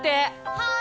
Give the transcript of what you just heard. はい！